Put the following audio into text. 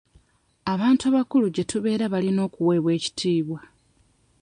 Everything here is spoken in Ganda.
Abantu abakulu gye tubeera balina okuweebwa ekitiibwa.